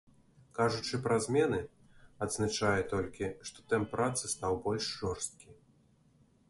Кажучы пра змены, адзначае толькі, што тэмп працы стаў больш жорсткі.